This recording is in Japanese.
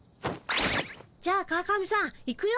じゃあ川上さんいくよ。